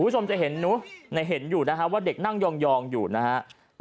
คุณผู้ชมจะเห็นอยู่นะฮะว่าเด็กนั่งยองอยู่นะฮะ